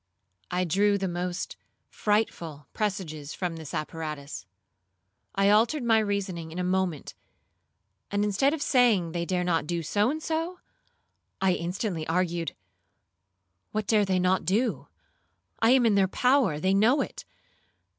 I drew the most frightful presages from this apparatus. I altered my reasoning in a moment, and instead of saying they dare not do so and so, I instantly argued 'What dare they not do? I am in their power,—they know it.